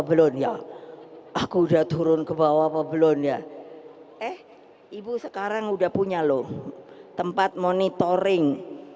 belum ya aku udah turun ke bawah apa belum ya eh ibu sekarang udah punya loh tempat monitoring